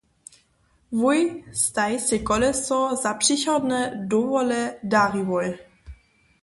Wój staj sej koleso za přichodne dowole dariłoj.